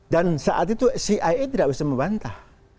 dan saat itu cia tidak bisa membantah